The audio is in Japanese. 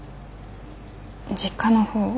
実家の方